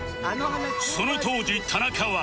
その当時田中は